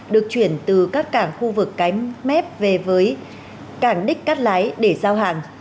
được chuyển từ các cảng khu vực cánh mép về với cảng đích cát lái để giao hàng